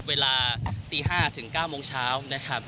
เวลาตี๕ถึง๙โมงเช้านะครับ